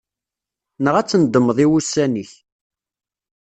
Neɣ ad tendemmeḍ i wussan-ik.